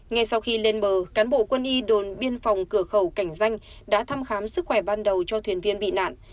ngay sau khi lên bờ cán bộ quân y đồn biên phòng cờ khẩu càng xanh đã thăm khám sức khỏe ban đầu cho thuyền viên bị nạn